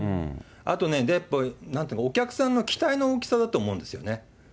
あとね、なんていうの、お客さんの期待の大きさだと思うんですよね。